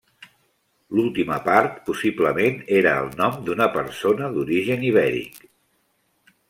L'última part, possiblement era el nom d'una persona d'origen ibèric.